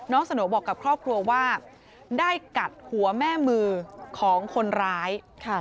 สโนบอกกับครอบครัวว่าได้กัดหัวแม่มือของคนร้าย